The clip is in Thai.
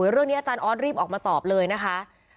เรื่องนี้อาจารย์ออสรีบออกมาตอบเลยนะคะ